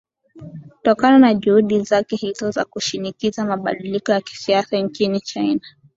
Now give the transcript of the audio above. kutokana na juhudi zake hizo za kushinikiza mabadiliko ya kisiasa nchini china